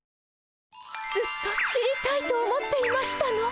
ずっと知りたいと思っていましたの。